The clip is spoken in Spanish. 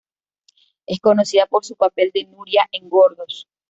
Es conocida por su papel de "Nuria" en Gordos.